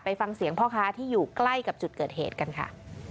ฟังเสียงพ่อค้าที่อยู่ใกล้กับจุดเกิดเหตุกันค่ะ